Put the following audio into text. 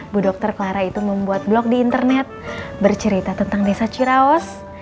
bu dokter clara itu membuat blog di internet bercerita tentang desa ciraos